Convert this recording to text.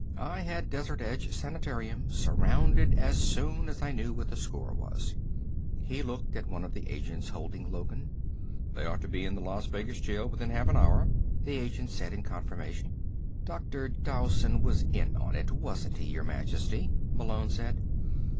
"I had Desert Edge Sanitarium surrounded as soon as I knew what the score was." He looked at one of the agents holding Logan. "They ought to be in the Las Vegas jail within half an hour," the agent said in confirmation. "Dr. Dowson was in on it, wasn't he, Your Majesty?" Malone said.